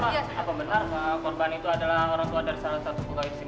apa benar korban itu adalah orang tua dari salah satu pegawai di sini